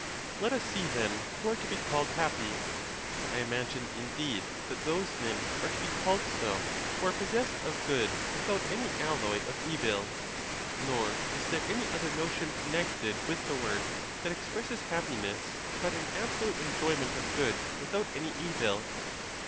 Let us sce, then, who are to be called happy. I imagine, indeed, that those men are to be eall ed so who are possessed of good without any alloy of evil; nor is there any other notion connected with the word that expresses happiness but an absolute enjoyment of good without any evil.